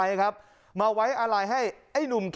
และก็มีการกินยาละลายริ่มเลือดแล้วก็ยาละลายขายมันมาเลยตลอดครับ